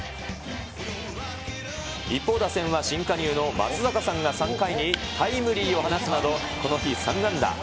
一方、打線は新加入の松坂さんが３回にタイムリーを放つなど、この日、３安打。